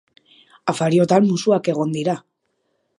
Afariotan musuak egon dira.